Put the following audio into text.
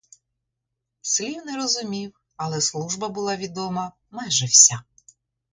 Слів не розумів, але служба була відома майже вся.